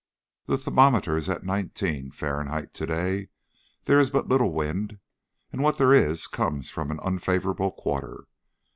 The thermometer is at nineteen Fahrenheit to day. There is but little wind, and what there is comes from an unfavourable quarter.